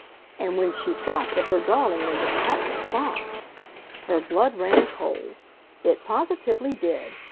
And when she thought that her darling was at Putney Farm...! Her blood ran cold. It positively did!